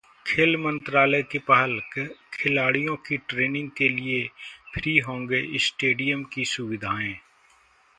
खेल मंत्रालय की पहल, खिलाड़ियों की ट्रेनिंग के लिए फ्री होंगे स्टेडियम की सुविधाएं